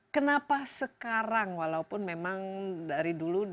kenapa sekarang walaupun memang dari dulu